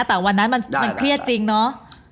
แต่วันนั้นมันเครียดจริงเนาะ